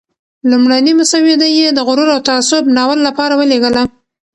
لومړنی مسوده یې د "غرور او تعصب" ناول لپاره ولېږله.